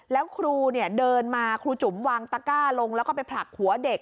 แล้วครูเดินมาครูจุ๋มวางตะก้าลงแล้วก็ไปผลักหัวเด็ก